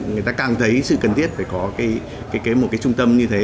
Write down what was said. người ta càng thấy sự cần thiết phải có một cái trung tâm như thế